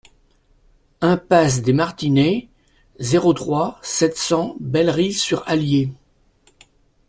Impasse des Martinets, zéro trois, sept cents Bellerive-sur-Allier